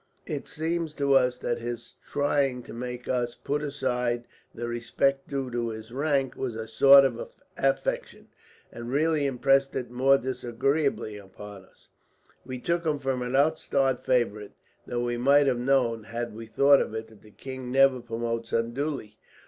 "It seemed to us that his trying to make us put aside the respect due to his rank was a sort of affectation, and really impressed it more disagreeably upon us. We took him for an upstart favourite; though we might have known, had we thought of it, that the king never promotes unduly.